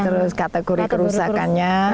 terus kategori kerusakannya